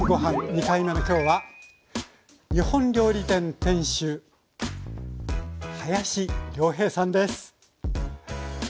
２回目の今日は日本料理店店主林亮平さんです。